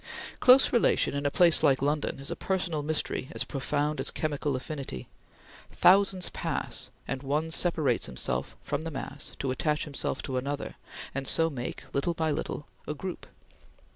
Close relation in a place like London is a personal mystery as profound as chemical affinity. Thousands pass, and one separates himself from the mass to attach himself to another, and so make, little by little, a group.